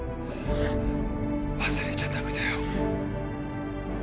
忘れちゃダメだよ。